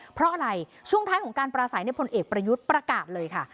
เพราะอะไรช่วงท้ายของการปราศัยพลเอกประยุทธ์ประกาศเลยค่ะ